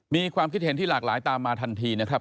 มีความคิดเห็นที่หลากหลายตามมาทันทีนะครับ